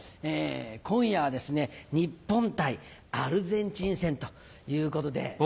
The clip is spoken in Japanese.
今夜はですね日本対アルゼンチン戦ということで。